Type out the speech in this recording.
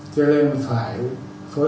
thế nên phải phối hợp với cơ sở